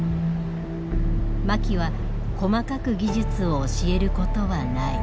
槇は細かく技術を教えることはない。